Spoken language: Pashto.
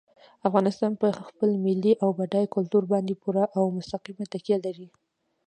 افغانستان په خپل ملي او بډایه کلتور باندې پوره او مستقیمه تکیه لري.